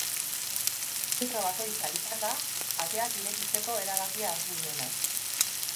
Zentro bakoitza izan da ateak irekitzeko erabakia hartu duena.